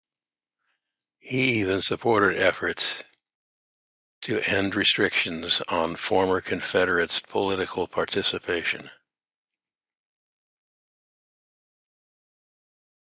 He even supported efforts to end restrictions on former Confederates' political participation.